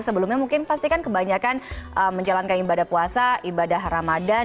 sebelumnya mungkin pasti kan kebanyakan menjalankan ibadah puasa ibadah ramadan